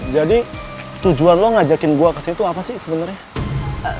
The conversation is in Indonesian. jadi tujuan lo ngajakin gue kesitu apa sih sebenernya